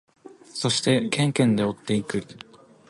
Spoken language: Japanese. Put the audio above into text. そしてケンケンで追っていく。